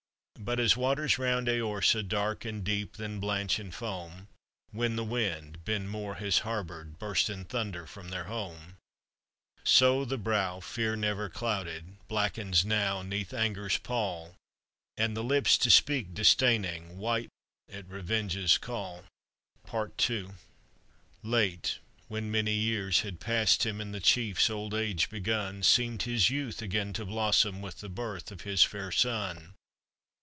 But, as waters round Eorsa, Dark and deep, then blanch in foam, When the winds, Ben Mor has harbored, Burst in thunder from their home, So the brow, fear never clouded, Blackens now, 'neath anger's pall, And the lips, to speak disdaining, Whiten at revenge's call! PART II. Late, when many years had passed him, And the chief's old age begun, Seemed his youth again to blossom, With the birth of his fair son.